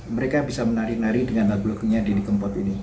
mereka bisa menari nari dengan lagu lagunya dini kempot ini